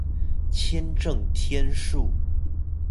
簽證天數